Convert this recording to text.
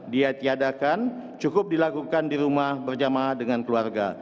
diatiadakan cukup dilakukan di rumah berjamaah dengan keluarga